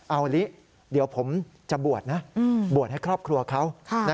เอาละเดี๋ยวผมจะบวชนะบวชให้ครอบครัวเขา